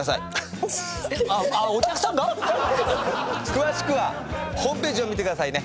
詳しくはホームページを見てくださいね。